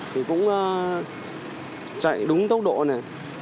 thì cũng chạy đúng tốc độ này